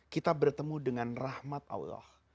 kita bertemu dengan rahmat allah